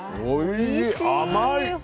おいしい！